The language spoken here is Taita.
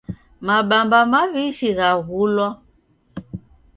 Mabamba mawishi ghaghulwa